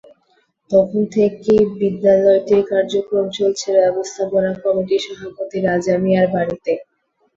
তখন থেকেই বিদ্যালয়টির কার্যক্রম চলছে ব্যবস্থাপনা কমিটির সভাপতি রাজা মিয়ার বাড়িতে।